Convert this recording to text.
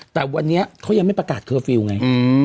แต่วันนี้เขายังไม่ประกาศเคอร์ฟิลล์ไง